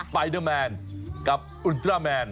ก็เป็นตัวสปไตต์เมนกับอุลต่อเมน